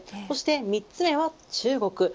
そして３つ目は中国。